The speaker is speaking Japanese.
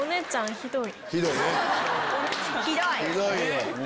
ひどい！